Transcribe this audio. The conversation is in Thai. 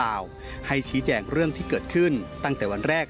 เพียงบอกกับทีมข่าวว่า